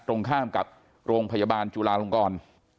ตรงข้ามกับโรงพยาบาลจุลาลงกร